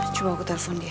cuma aku telepon dia